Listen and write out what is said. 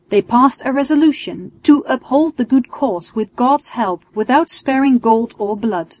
They passed a resolution "to uphold the good cause with God's help without sparing gold or blood."